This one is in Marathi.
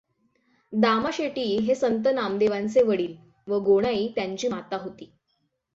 दामाशेटी हे संत नामदेवांचे वडील व गोणाई त्यांची माता होती.